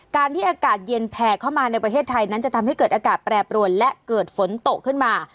การที่อากาศเย็นแผ่เข้ามาในประเทศไทยนั้นจะทำให้เกิดอากาศแปรปรวนและเกิดฝนตกขึ้นมา